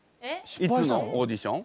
いつのオーディション？